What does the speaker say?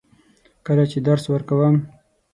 کله چې درس ورکوم.